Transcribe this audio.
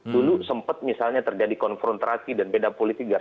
dulu sempat misalnya terjadi konfrontasi dan beda politik di sana